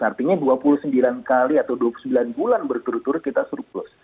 artinya dua puluh sembilan kali atau dua puluh sembilan bulan berturut turut kita surplus